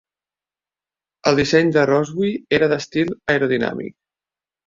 El disseny de Rowse era d'estil aerodinàmic.